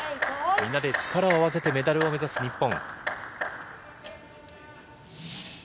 みんなで力を合わせてメダルを目指す日本。